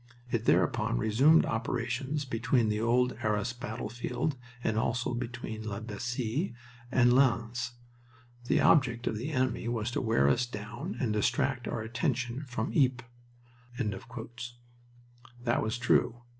It thereupon resumed operations between the old Arras battlefield and also between La Bassee and Lens. The object of the enemy was to wear us down and distract our attention from Ypres." That was true.